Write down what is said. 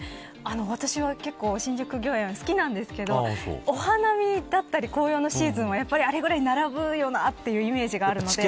私は、けっこう新宿御苑好きなんですけどお花見だったり紅葉のシーズンはあれぐらい並ぶよなというイメージがあります。